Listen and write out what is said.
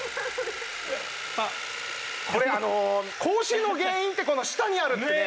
これ口臭の原因って舌にあるってね